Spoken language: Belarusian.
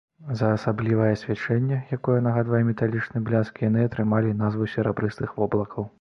За асаблівае свячэнне, якое нагадвае металічны бляск, яны атрымалі назву серабрыстых воблакаў.